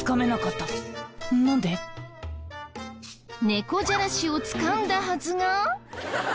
猫じゃらしをつかんだはずが。